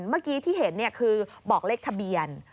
เมื่อกี้ที่เห็นคือบอกเลขทะเบียน